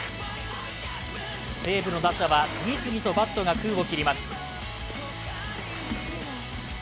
西武の打者は次々とバットが空を切ります。